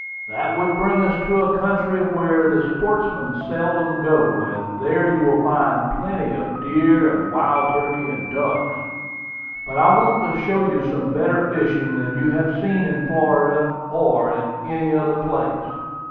That would bring us to a country where the sportsmen seldom go; and there you will find plenty of deer, wild turkeys, and ducks. But I want to show you some better fishing than you have seen in Florida, or in any other place."